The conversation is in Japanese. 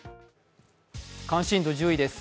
関心度１０位です。